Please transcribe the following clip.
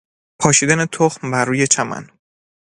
پاشیدن تخم بر روی چمن